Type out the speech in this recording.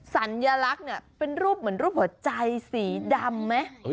สัญลักษณ์เนี่ยเป็นรูปเหมือนรูปหัวใจสีดำไหม